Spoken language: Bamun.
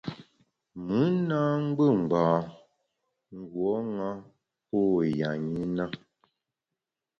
Mùn na ngbù ngbâ nguo ṅa pô ya ṅi na.